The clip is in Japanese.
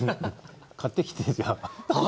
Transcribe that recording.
買ってきて、じゃあ。